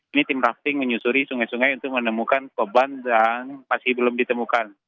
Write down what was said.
ini tim rafting menyusuri sungai sungai untuk menemukan korban yang masih belum ditemukan